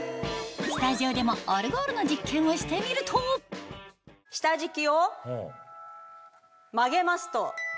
スタジオでもオルゴールの実験をしてみると下敷きを曲げますと。